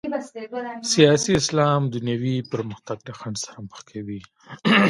سیاسي اسلام دنیوي پرمختګ له خنډ سره مخ کوي.